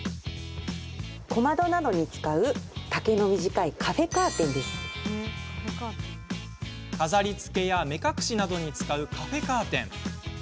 小窓などに使う丈の短い飾りつけや目隠しなどに使うカフェカーテン。